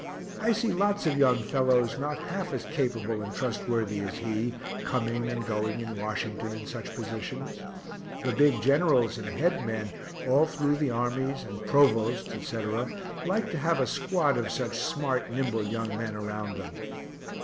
I see lots of young fellows not half as capable and trustworthy as he, coming and going in Washington, in such positions. The big generals and head men all through the armies, and provosts etc., like to have a squad of such smart, nimble young men around them.